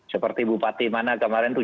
seperti bupati mana kemarin itu